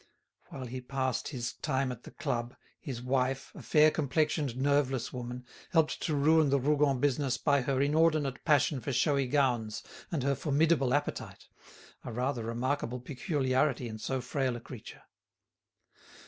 While he passed his time at the club, his wife, a fair complexioned nerveless woman, helped to ruin the Rougon business by her inordinate passion for showy gowns and her formidable appetite, a rather remarkable peculiarity in so frail a creature.